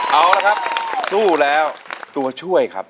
เอาละครับสู้แล้วตัวช่วยครับ